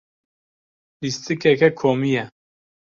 Lîstikeke komî ye.